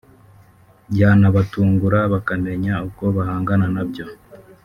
byanabatungura bakamenya uko bahangana nabyo